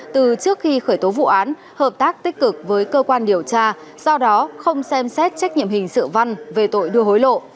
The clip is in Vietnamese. từ trước khi khởi tố vụ án hợp tác tích cực với cơ quan điều tra do đó không xem xét trách nhiệm hình sự văn về tội đưa hối lộ